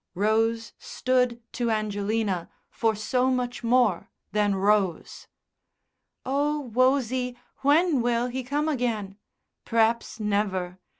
Rose stood to Angelina for so much more than Rose. "Oh, Wosie, when will he come again.... P'r'aps never.